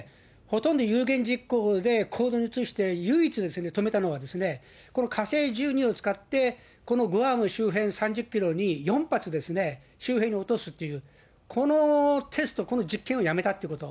ほとんど有言実行で、行動に移して、唯一、止めたのは、この火星１２を使って、このグアム周辺３０キロに、４発、周辺に落とすっていう、このテスト、この実験をやめたっていうこと。